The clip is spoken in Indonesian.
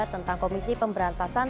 tentang komisi pemberantasan